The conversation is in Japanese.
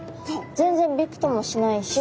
全然びくともしないし。